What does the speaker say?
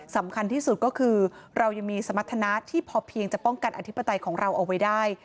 สำคัญที่สุดก็คือเรายังมีสมรรถนะที่พอเพียงจะป้องกันอธิปไตยของเราเอาไว้ได้